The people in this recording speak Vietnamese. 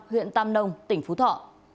huyện tam nông tỉnh phú thọ